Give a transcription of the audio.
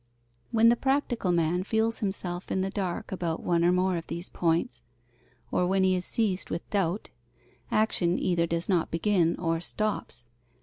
When the practical man feels himself in the dark about one or more of these points, or when he is seized with doubt, action either does not begin or stops.